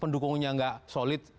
pendukungnya gak solid